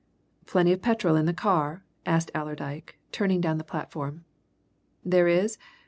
"Plenty of petrol in the car?" asked Allerdyke, turning down the platform. "There is?